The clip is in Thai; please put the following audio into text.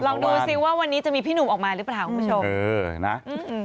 ลองดูซิว่าวันนี้จะมีพี่หนุ่มออกมาหรือเปล่าคุณผู้ชมเออนะอืม